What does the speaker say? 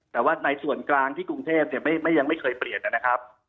แต่ว่าในส่วนกลางที่กรุงเทพเนี้ยไม่ไม่ยังไม่เคยเปลี่ยนน่ะนะครับ